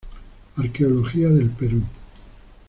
Arqueología del Perú